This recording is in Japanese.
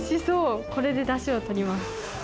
これでだしをとります。